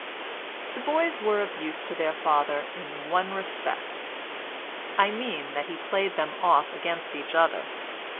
The boys were of use to their father in one respect. I mean that he played them off against each other.